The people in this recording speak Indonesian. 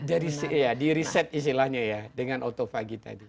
jadi ya di reset istilahnya ya dengan otophagy tadi